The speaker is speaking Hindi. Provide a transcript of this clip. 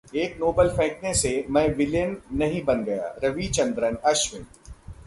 एक नोबाल फेंकने से मैं ‘विलेन’ नहीं बन गया: रविचंद्रन अश्विन